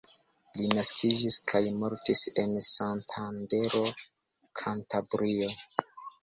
Li naskiĝis kaj mortis en Santandero, Kantabrio.